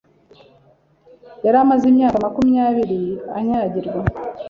yari amaze imyaka makumyabiri anyagirwa